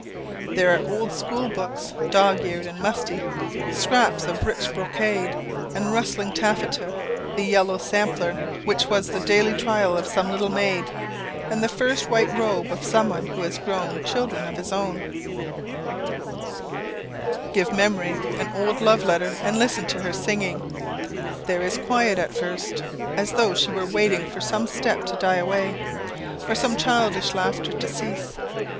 There are old school books, dog eared and musty, scraps of rich brocade and rustling taffeta, the yellowed sampler which was the daily trial of some little maid, and the first white robe of someone who has grown children of his own. [Sidenote: Memory's Singing] Give Memory an old love letter and listen to her singing. There is quiet at first, as though she were waiting for some step to die away, or some childish laughter to cease.